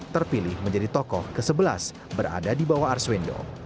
terpilih menjadi tokoh ke sebelas berada di bawah arswendo